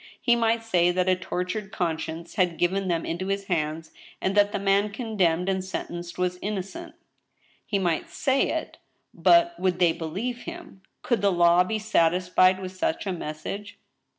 He might say that a tortured conscience had given tliem into his hands, and that the man condemned and sentenced was innocent. He might say it — ^but, would they believe him ? Could the law be satisfied with such a message